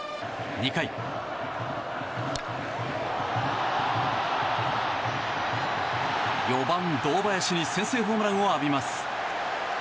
２回、４番、堂林に先制ホームランを浴びます。